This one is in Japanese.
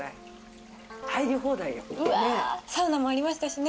うわサウナもありましたしね。